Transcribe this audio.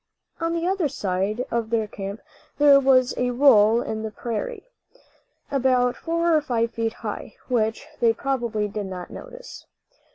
On the other side of their camp there was a roll in the prairie, about four or five feet high, which they probably did not notice.